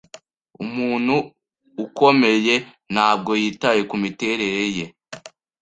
Umuntu ukomeye ntabwo yitaye kumiterere ye.